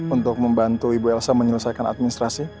untuk membantu ibu elsa menyelesaikan administrasi